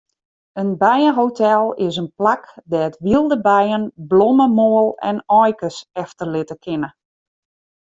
In bijehotel is in plak dêr't wylde bijen blommemoal en aaikes efterlitte kinne.